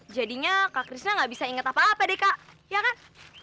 jadinya kak krisna gak bisa inget apa apa deh kak ya kan